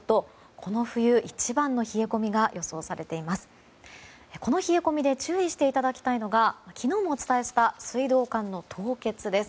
この冷え込みで注意していただきたいのが昨日もお伝えした水道管の凍結です。